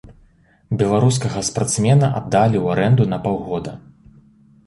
Беларускага спартсмена аддалі ў арэнду на паўгода.